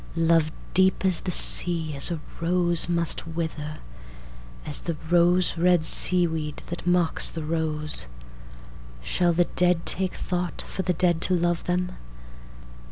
Love deep as the sea as a rose must wither, As the rose red seaweed that mocks the rose. Shall the dead take thought for the dead to love them?